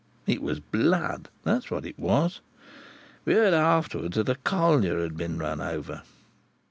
It was blood. That's what it was. We heard afterwards that a collier had been run over.